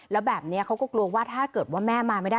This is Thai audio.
แล้วแบบนี้เขาก็กลัวว่าถ้าเกิดว่าแม่มาไม่ได้